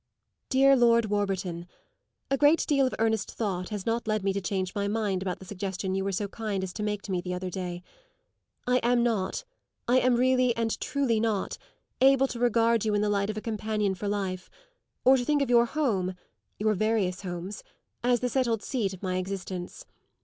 DEAR LORD WARBURTON A great deal of earnest thought has not led me to change my mind about the suggestion you were so kind as to make me the other day. I am not, I am really and truly not, able to regard you in the light of a companion for life; or to think of your home your various homes as the settled seat of my existence.